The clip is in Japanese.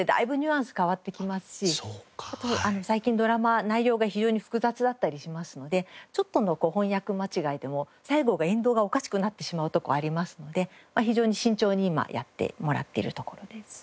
あと最近ドラマは内容が非常に複雑だったりしますのでちょっとの翻訳間違いでも最後がエンドがおかしくなってしまうとこありますので非常に慎重に今やってもらっているところです。